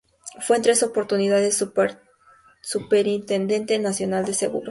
Fue en tres oportunidades Superintendente Nacional de Seguros.